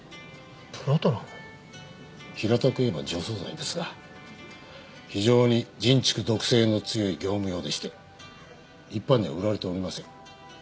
平たく言えば除草剤ですが非常に人畜毒性の強い業務用でして一般には売られておりません。